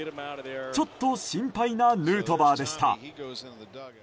ちょっと心配なヌートバーでした。